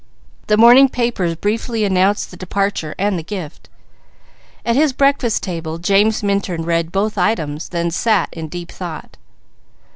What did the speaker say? The morning papers briefly announced the departure and the gift. At his breakfast table James Minturn read both items, then sat in deep thought.